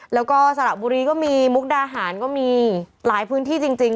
แล้วก็สระบุรีก็มีมุกดาหารก็มีหลายพื้นที่จริง